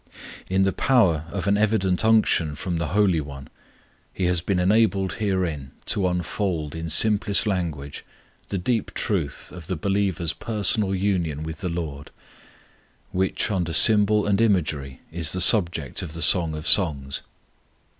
In the power of an evident unction from the Holy One, he has been enabled herein to unfold in simplest language the deep truth of the believer's personal union with The Lord, which under symbol and imagery is the subject of The Song of Songs.